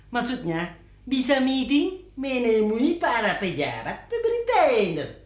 maksudnya bisa meeting menemui para pejabat pemerintahan